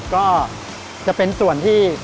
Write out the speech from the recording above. ก็จะเป็นส่วนที่